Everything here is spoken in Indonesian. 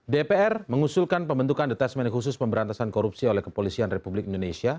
dpr mengusulkan pembentukan detesmen khusus pemberantasan korupsi oleh kepolisian republik indonesia